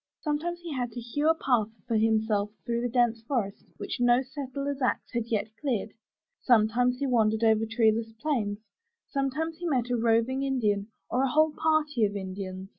Sometimes he had to hew a path for himself through the dense forest which no settler's axe had yet cleared; sometimes he wandered over treeless plains; sometimes he met a roving Indian or a whole party of Indians.